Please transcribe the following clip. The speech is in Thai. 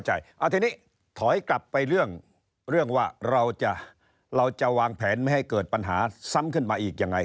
เอาทีนี้ถอยกลับไปเรื่องว่าเราจะวางแผนไม่ให้เกิดปัญหาซ้ำขึ้นมาอีกยังไง